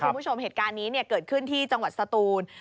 คุณผู้ชมเหตุการณ์นี้เกิดขึ้นที่จังหวัดสตูน